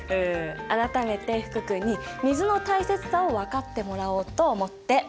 改めて福君に水の大切さを分かってもらおうと思って。